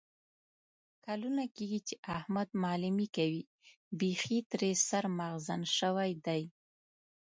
کلونه کېږي چې احمد معلیمي کوي. بیخي ترې سر مغزن شوی دی.